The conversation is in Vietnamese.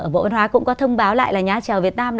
bộ văn hóa cũng có thông báo lại là nhà trèo việt nam